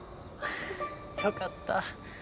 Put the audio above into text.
よかった。